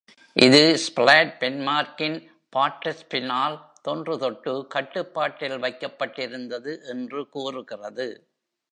இது ஸ்ப்லாட் பென்மார்க்கின் பாட்ரிப்ஸினால் தொன்று தொட்டு கட்டுப்பாட்டில் வைக்கப்பட்டிருந்தது என்று கூறுகிறது.